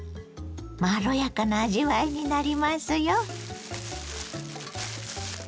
まろやかな味わいになりますよ。